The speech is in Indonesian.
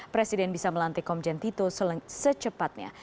presiden bisa melantik komjen tito secepatnya